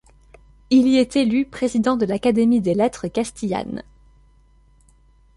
Il y est élu président de l'Académie des lettres castillanes.